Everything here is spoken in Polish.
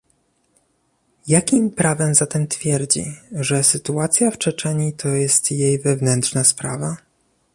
Jakim prawem zatem twierdzi, że sytuacja w Czeczenii to jest jej wewnętrzna sprawa?